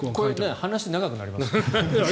話長くなります？